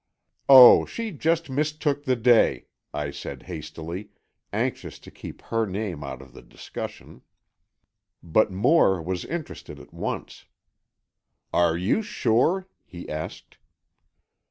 "Oh, she just mistook the day," I said, hastily, anxious to keep her name out of the discussion. But Moore was interested at once. "Are you sure?" he asked.